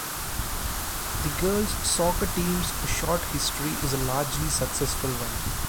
The girls soccer team's short history is a largely successful one.